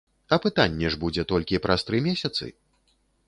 Апытанне ж будзе толькі праз тры месяцы?